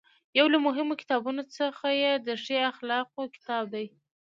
یو له مهمو کتابونو څخه یې د ښې اخلاقو کتاب دی.